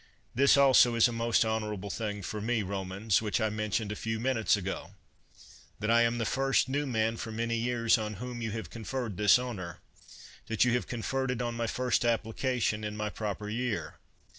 This, also, is a most honorable thing for me, Romans, which I mentioned a few minutes ago, — that I am the first new man for many years on whom you have conferred this honor; that you have conferred it on my first application, in my proper year.